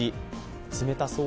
冷たそう？